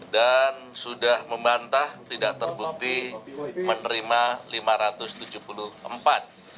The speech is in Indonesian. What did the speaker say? dan sudah membantah tidak terbukti menerima lima ratus tujuh puluh empat